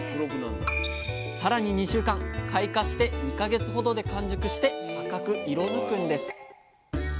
さらに２週間開花して２か月ほどで完熟して赤く色づくんです。